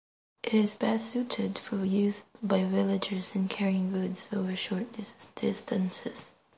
It is best suited for use by villagers in carrying goods over short distances.